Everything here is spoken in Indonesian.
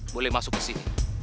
boleh masuk kesini